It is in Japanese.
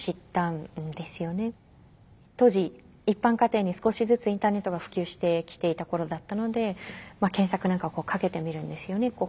当時一般家庭に少しずつインターネットが普及してきていた頃だったので検索なんかをかけてみるんですよね。